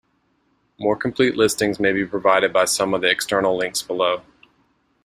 More complete listings may be provided by some of the external links below.